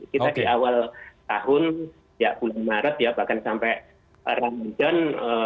kita di awal tahun ya bulan maret ya bahkan sampai ramadan